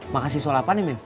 makasih soal apa nih mil